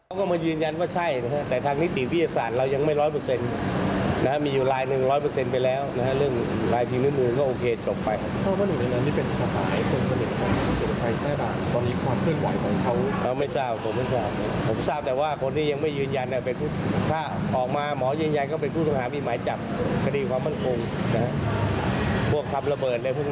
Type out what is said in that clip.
ออกมาหมอย่างก็เป็นผู้ตัวหาวิมัยจับคดีความมั่นคงพวกทำระเบิดอะไรพวกนี้นะครับ